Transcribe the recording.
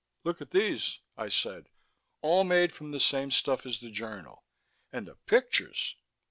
"Look at these," I said. "All made from the same stuff as the journal. And the pictures...."